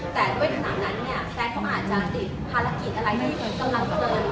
แต่ด้วยขณะนั้นเซ็กเขาอาจจะติดภารกิจอะไรที่กำลังเณิน